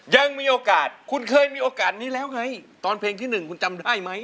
ยังมีโอกาสคุณเคยมีโอกาสนี้แล้วไงตอนเพลงที่๑คุณจำได้ไหม